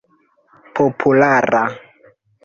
populara